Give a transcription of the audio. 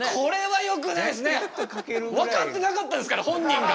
分かってなかったですから本人が。